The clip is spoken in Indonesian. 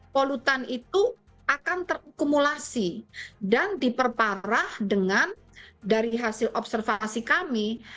polutan itu akan terkumulasi dan diperparah dengan dari hasil observasi kami